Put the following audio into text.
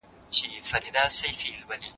له عامه شتمنيو څخه سالمه او سمه ګټه واخلئ.